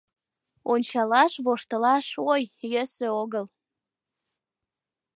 Ончалаш, воштылаш, ой, йӧсӧ огыл.